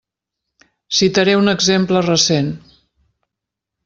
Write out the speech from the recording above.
Citaré un exemple recent.